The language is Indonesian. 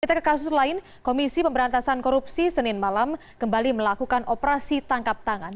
kita ke kasus lain komisi pemberantasan korupsi senin malam kembali melakukan operasi tangkap tangan